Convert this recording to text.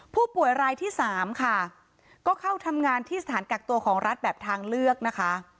ผู้ป่วยรายที่สามค่ะก็เข้าทำงานที่สถานกักตัวของรัฐแบบทางเลือกนะคะ